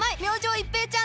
一平ちゃーん！